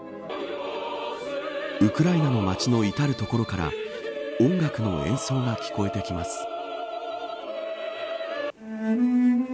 ウクライナの街のいたる所から音楽の演奏が聞こえてきます。